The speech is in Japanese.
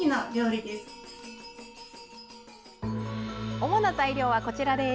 主な材料はこちら。